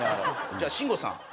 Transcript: じゃあ真吾さん。